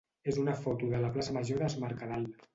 és una foto de la plaça major d'Es Mercadal.